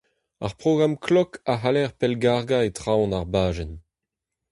Ar programm klok a c'haller pellgargañ e traoñ ar bajenn.